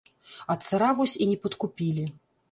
А цара вось і не падкупілі.